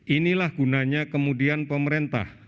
inilah gunanya kemudian pemerintah